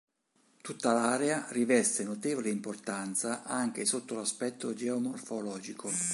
Tutta l'area riveste notevole importanza anche sotto l'aspetto geomorfologico.